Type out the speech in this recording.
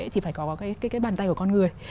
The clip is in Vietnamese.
thì phải có cái bàn tay của con người